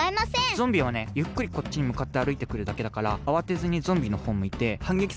ゾンビはねゆっくりこっちにむかってあるいてくるだけだからあわてずにゾンビのほうむいてはんげきすればだいじょうぶかな。